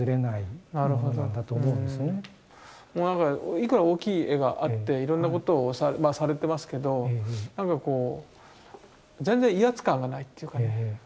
いくら大きい絵があっていろんなことをされてますけど何かこう全然威圧感がないっていうかね。